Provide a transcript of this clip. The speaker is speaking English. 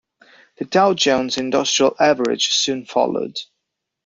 The Dow Jones Industrial Average soon followed.